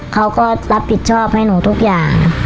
เขาก็รับผิดชอบให้หนูทุกอย่าง